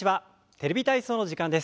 「テレビ体操」の時間です。